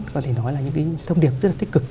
có thể nói là những cái thông điệp rất là tích cực